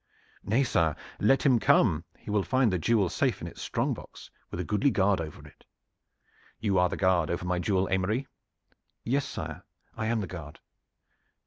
"Nay, sire, let him come. He will find the jewel safe in its strong box, with a goodly guard over it." "You are the guard over my jewel, Aymery." "Yes, sire, I am the guard."